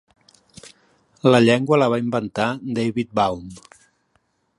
La llengua la va inventar David Baum.